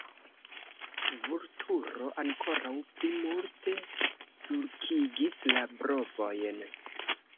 Vulturo ankoraŭ pli multe sulkigis la brovojn.